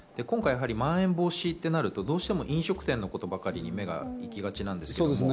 今回、まん延防止となると、どうしても飲食店のことばかり目がいきがちです。